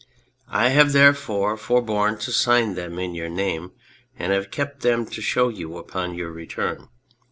I have therefore forborne to sign them in your name, and have kept them to show you upon your return.